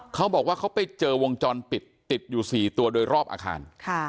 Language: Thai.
เขาบอกว่าเขาไปเจอวงจรปิดติดอยู่๔ตัวโดยรอบอาคาร